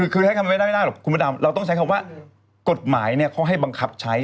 คือใช้คำไม่ได้ไม่ได้หรอกคุณพระดำเราต้องใช้คำว่ากฎหมายเขาให้บังคับใช้